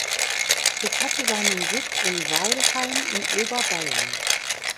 Es hatte seinen Sitz in Weilheim in Oberbayern.